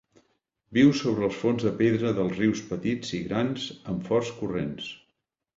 Viu sobre els fons de pedra dels rius petits i grans amb forts corrents.